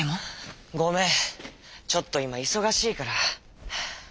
「ごめんちょっといまいそがしいから」。